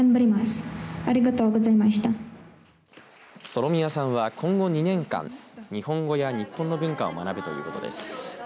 ソロミアさんは今後２年間、日本語や日本の文化を学ぶということです。